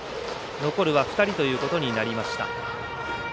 残るは２人ということになりました。